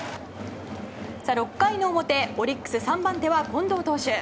６回の表、オリックス３番手は近藤投手。